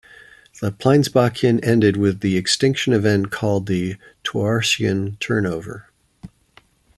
The Pliensbachian ended with the extinction event called the Toarcian turnover.